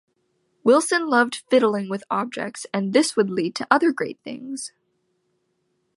Wilson loved fiddling with objects and this would lead to other great things.